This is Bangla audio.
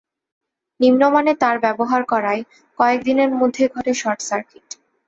নিম্নমানের তার ব্যবহার করায় কয়েক দিনের মধ্যেই ঘটে শর্টসার্কিট।